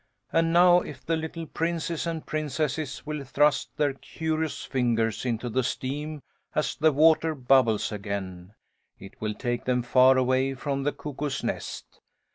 And now if the little princes and princesses will thrust their curious fingers into the steam as the water bubbles again, it will take them far away from the Cuckoo's Nest.